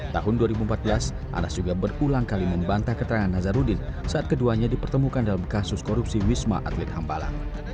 tahun dua ribu empat belas anas juga berulang kali membantah keterangan nazarudin saat keduanya dipertemukan dalam kasus korupsi wisma atlet hambalang